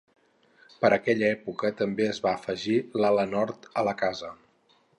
Per aquella època també es va afegir l'ala nord a la casa.